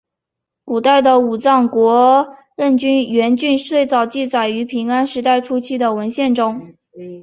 古代的武藏国荏原郡最早记载于平安时代初期的文献中。